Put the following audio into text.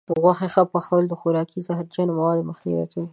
د غوښې ښه پخول د خوراکي زهرجنو موادو مخنیوی کوي.